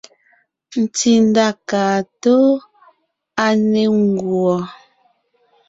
Tsítsà kaa tóo, à ne ńguɔ.